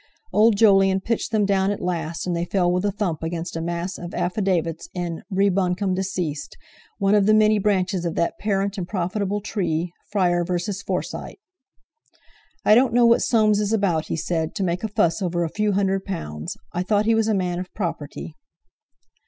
Old Jolyon pitched them down at last, and they fell with a thump amongst a mass of affidavits in "re Buncombe, deceased," one of the many branches of that parent and profitable tree, "Fryer v. Forsyte." "I don't know what Soames is about," he said, "to make a fuss over a few hundred pounds. I thought he was a man of property."